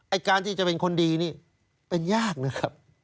การที่จะเป็นคนดีนี่เป็นยากนะครับ